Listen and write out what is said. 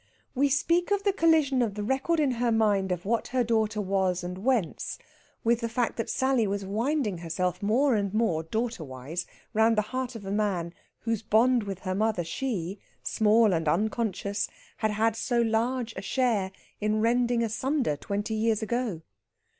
We speak of the collision of the record in her mind of what her daughter was, and whence, with the fact that Sally was winding herself more and more, daughterwise, round the heart of the man whose bond with her mother she, small and unconscious, had had so large a share in rending asunder twenty years ago.